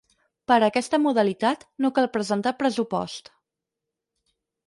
Per a aquesta modalitat no cal presentar el pressupost.